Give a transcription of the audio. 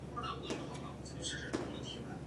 大头芋螺为芋螺科芋螺属下的一个种。